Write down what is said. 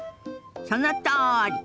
そのとおり！